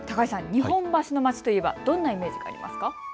日本橋の街といえば、どんなイメージがありますか。